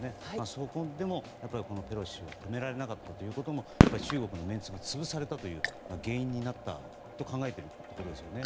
そこでもペロシ氏を止められなかったことも中国のメンツが潰されたという原因になったと考えているところですよね。